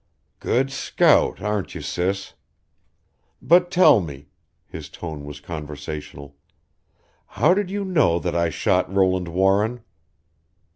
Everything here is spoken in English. "Good scout, aren't you, Sis? But tell me," his tone was conversational, "how did you know that I shot Roland Warren?"